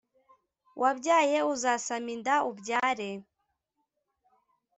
wabyaye uzasama inda ubyare